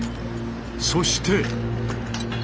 そして。